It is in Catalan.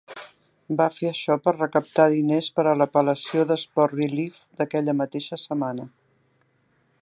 Va fer això per recaptar diners per a l'apel·lació de Sport Relief d'aquella mateixa setmana.